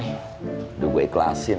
udah gue ikhlasin